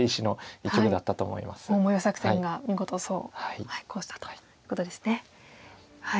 大模様作戦が見事功を奏したということですね。